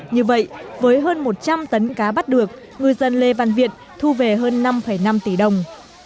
như vậy với hơn một trăm linh tấn cá bắt được ngư dân lê văn viện thu về hơn năm năm tỷ đồng